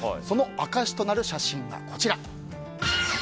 その証しとなる写真が、こちら。